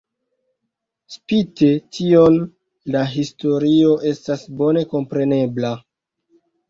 Spite tion la historio estas bone komprenebla.